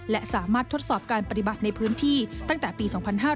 และสามารถทดสอบการปฏิบัติในพื้นที่ตั้งแต่ปี๒๕๕๙